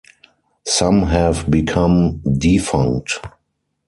Some have become defunct.